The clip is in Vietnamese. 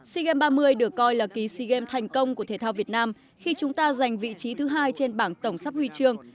sea games ba mươi được coi là kỳ sea games thành công của thể thao việt nam khi chúng ta giành vị trí thứ hai trên bảng tổng sắp huy chương